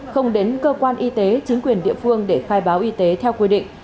không đến cơ quan y tế chính quyền địa phương để khai báo y tế theo quy định